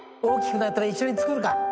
大きくなったら一緒に作るか。